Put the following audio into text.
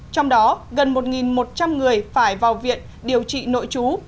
trong đó gần một một trăm linh người phải vào viện điều trị nội chú